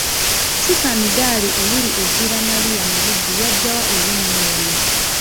Ssikamidaali oluli e Villa Maria mu Buddu lwajja wa erinnya eryo?